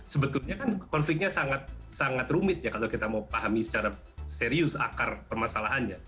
sebetulnya kan konfliknya sangat rumit ya kalau kita mau pahami secara serius akar permasalahannya